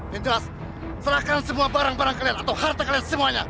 yang jelas serahkan semua barang barang kalian atau harta kalian semuanya